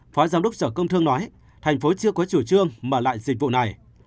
phó giám đốc sở công thương nói thành phố chưa có chủ trương mà lại dịch vụ này